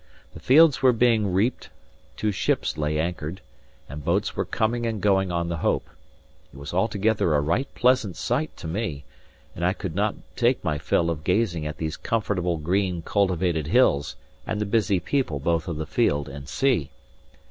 The fields were being reaped; two ships lay anchored, and boats were coming and going on the Hope. It was altogether a right pleasant sight to me; and I could not take my fill of gazing at these comfortable, green, cultivated hills and the busy people both of the field and sea.